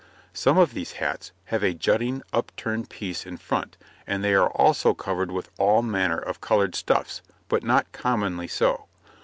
Some of these hats have a jutting, upturned piece in front, and they are also covered with all manner of coloured stuffs, but not commonly so.